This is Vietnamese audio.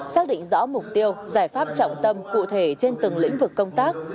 xác định rõ mục tiêu giải pháp trọng tâm cụ thể trên từng lĩnh vực công tác